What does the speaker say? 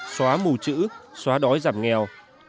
xóa mù chữ xóa đói giảm nghèo